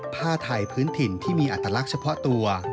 ผ้าไทยพื้นถิ่นที่มีอัตลักษณ์เฉพาะตัว